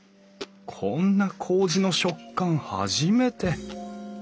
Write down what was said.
こんなこうじの食感初めて。